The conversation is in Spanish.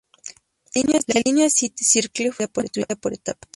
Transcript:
La línea City Circle fue construida por etapas.